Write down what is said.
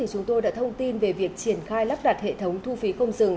chúng tôi đã thông tin về việc triển khai lắp đặt hệ thống thu phí không dừng